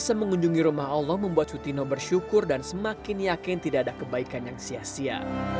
bisa mengunjungi rumah allah membuat sutino bersyukur dan semakin yakin tidak ada kebaikan yang sia sia